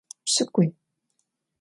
Pş'ık'ui.